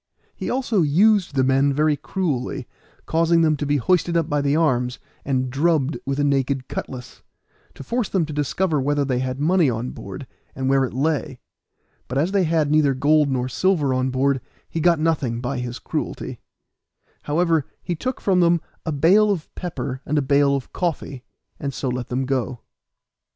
He also used the men very cruelly, causing them to be hoisted up by the arms, and drubbed with a naked cutlass, to force them to discover whether they had money on board, and where it lay; but as they had neither gold nor silver on board he got nothing by his cruelty; however, he took from them a bale of pepper, and a bale of coffee, and so let them go.